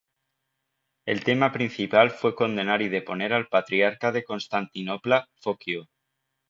El tema principal fue condenar y deponer al Patriarca de Constantinopla Focio.